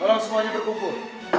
tolong semuanya berkumpul